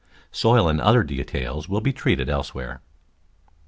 Soil and other details will be treated else where.